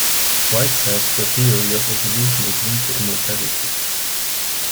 White says the theory of evolution is linked to immorality.